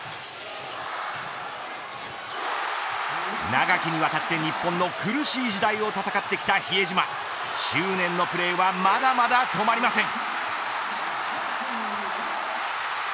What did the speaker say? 長きにわたって日本の苦しい時代を戦ってきた比江島執念のプレーはまだまだ止まりません。